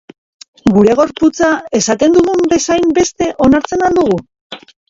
Gure gorputza esaten dugun bezain beste onartzen al dugu?